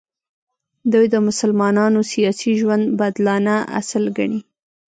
دوی د مسلمانانو سیاسي ژوند بدلانه اصل ګڼي.